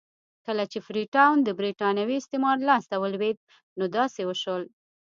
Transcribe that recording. کله چې فري ټاون د برېټانوي استعمار لاس ته ولوېد نو داسې وشول.